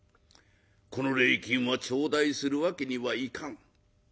この礼金は頂戴するわけにはいかん」。